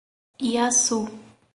Iaçu